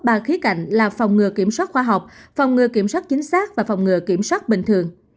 ba khía cạnh là phòng ngừa kiểm soát khoa học phòng ngừa kiểm soát chính xác và phòng ngừa kiểm soát bình thường